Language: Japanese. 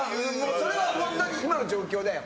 それはホントに今の状況だよ